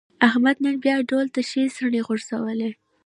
احمد نن بیا ډول ته ښې څڼې غورځولې.